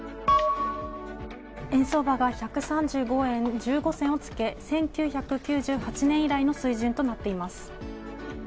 円相場が１３５円１５銭をつけ１９９８年以来の水準となっています。